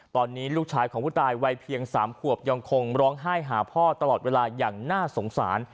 ตอนนี้ลูกชายของผู้ตายวัยเพียง๓ขวบยังคงร้องไห้หาพ่อตลอดเวลาอย่างน่าสงสาร